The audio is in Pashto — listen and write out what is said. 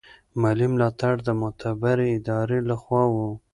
مالي ملاتړ د معتبرې ادارې له خوا و.